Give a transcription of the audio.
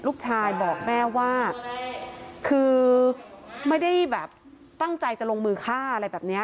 ลูกชายบอกแม่ว่าคือไม่ได้แบบตั้งใจจะลงมือฆ่าอะไรแบบนี้